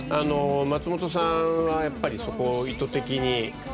松本さんはやっぱりそこを意図的に。